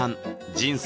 人生